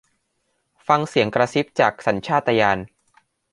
ฟังเสียงกระซิบจากสัญชาตญาณ